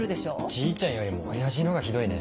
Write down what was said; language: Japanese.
じいちゃんよりも親父の方がひどいね。